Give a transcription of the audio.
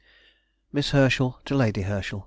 _] MISS HERSCHEL TO LADY HERSCHEL.